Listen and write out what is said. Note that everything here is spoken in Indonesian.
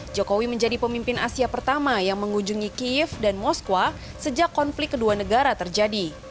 jokowi menjadi pemimpin asia pertama yang mengunjungi kiev dan moskwa sejak konflik kedua negara terjadi